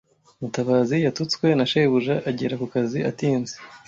Mutabazi yatutswe na shebuja agera ku kazi atinze.